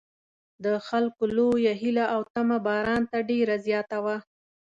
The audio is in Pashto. د خلکو لویه هیله او تمه باران ته ډېره زیاته وه.